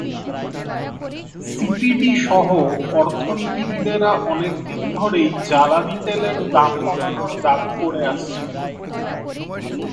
সিপিডিসহ অর্থনীতিবিদেরা অনেক দিন ধরেই জ্বালানি তেলের দাম কমানোর দাবি করে আসছিলেন।